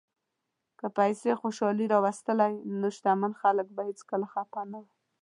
که پیسې خوشالي راوستلی، نو شتمن خلک به هیڅکله خپه نه وای.